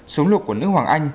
súng lục của nước hoàng anh